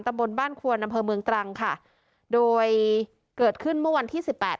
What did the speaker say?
บนบ้านควนอำเภอเมืองตรังค่ะโดยเกิดขึ้นเมื่อวันที่สิบแปด